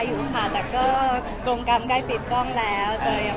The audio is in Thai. อยู่ค่ะแต่ก็กรงกรรมใกล้ปิดกล้องแล้วจะยัง